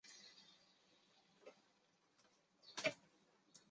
媒合适性之工作机会